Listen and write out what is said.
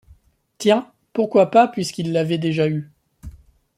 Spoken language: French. Tiens! pourquoi pas, puisqu’il l’avait déjà eue?